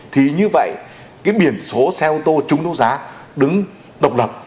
thì như vậy cái biển số xe ô tô trúng đấu giá đứng độc lập